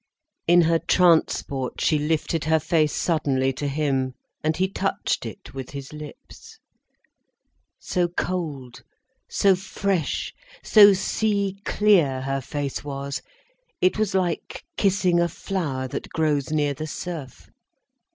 In her transport she lifted her face suddenly to him, and he touched it with his lips. So cold, so fresh, so sea clear her face was, it was like kissing a flower that grows near the surf.